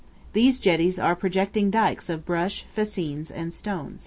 These jetties are projecting dikes of brush, fascines, and stone.